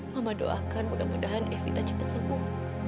mama doakan mudah mudahan efi tak cepat sembuh